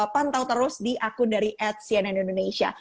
pantau terus di akun dari at cnn indonesia